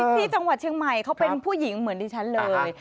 ที่จังหวัดเชียงใหม่เขาเป็นผู้หญิงเหมือนดิฉันเลย